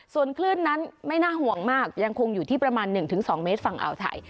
ส่วนคลื่นนั้นไม่น่าห่วงมากยังคงอยู่ที่ประมาณ๑๒เมตรฝั่งอ่าวไทย